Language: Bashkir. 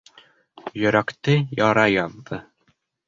Йөрәкте яра яҙҙы.